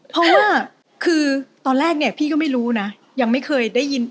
เพราะว่าคือตอนแรกเนี่ยพี่ก็ไม่รู้นะยังไม่เคยได้ยิน